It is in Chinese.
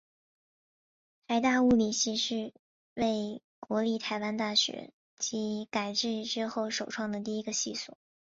台大物理系是为国立台湾大学改制之后首创的第一个系所。